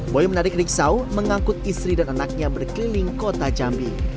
boy menarik riksau mengangkut istri dan anaknya berkeliling kota jambi